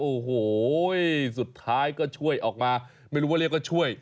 โอ้โหสุดท้ายก็ช่วยออกมาไม่รู้ว่าเรียกว่าช่วย